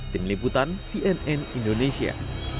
tim liputan cnn indonesia